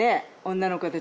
女の子たち。